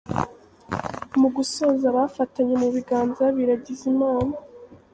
Mu gusoza bafatanye mu biganza biragiza Imana.